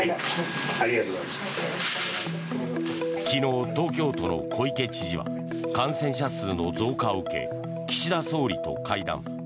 昨日、東京都の小池知事は感染者数の増加を受け岸田総理と会談。